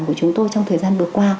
của chúng tôi trong thời gian vừa qua